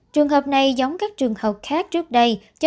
trường hợp này giống các trường hợp khác trước đây